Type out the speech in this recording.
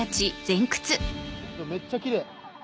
めっちゃキレイ。